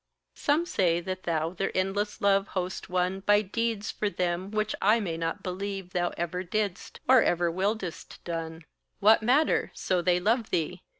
Some say that thou their endless love host won By deeds for them which I may not believe Thou ever didst, or ever willedst done: What matter, so they love thee?